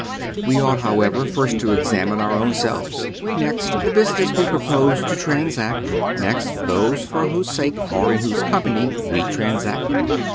We ought, however, first to examine our own selves, next the business which we propose to transact, next those for whose sake or in whose company we transact it.